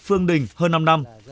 phương đình hơn năm năm